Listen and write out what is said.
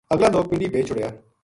اگلا لوک پنڈی بھیج چُھڑیا